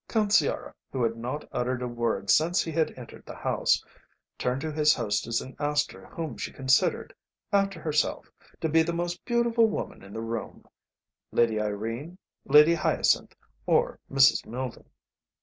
Count Sciarra, who had not uttered a word since he had entered the house, turned to his hostess and asked her whom she considered, after herself, to be the most beautiful woman in the room, Lady Irene, Lady Hyacinth, or Mrs. Milden?